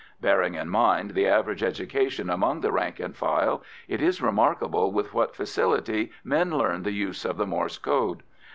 Bearing in mind the average education among the rank and file, it is remarkable with what facility men learn the use of the Morse code.